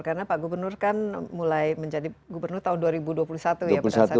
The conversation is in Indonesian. karena pak gubernur kan mulai menjadi gubernur tahun dua ribu dua puluh satu ya pada saat itu